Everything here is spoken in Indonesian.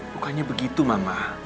bukannya begitu mama